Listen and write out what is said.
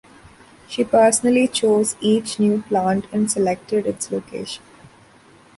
She personally chose each new plant and selected its location.